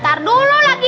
ntar dulu lagi